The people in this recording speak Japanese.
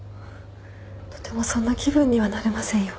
とてもそんな気分にはなれませんよ。